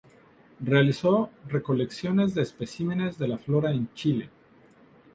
Realizó recolecciones de especímenes de la flora en Chile.